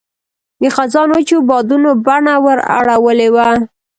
د خزان وچو بادونو بڼه ور اړولې وه.